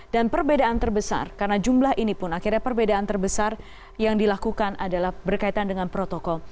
dan perbedaan terbesar karena jumlah ini pun akhirnya perbedaan terbesar yang dilakukan adalah berkaitan dengan protokol